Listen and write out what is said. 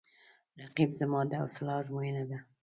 رقیب زما د حوصله آزموینه ده